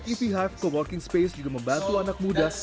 ev hive coworking space juga membantu anak muda